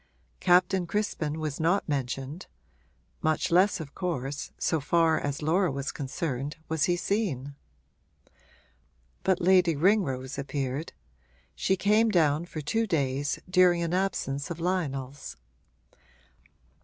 Captain Crispin was not mentioned; much less of course, so far as Laura was concerned, was he seen. But Lady Ringrose appeared; she came down for two days, during an absence of Lionel's.